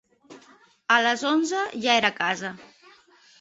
A les onze ja era a casa.